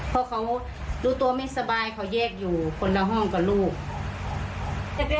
เพราะเขารู้ตัวไม่สบายเขาแยกอยู่คนละห้องกับลูก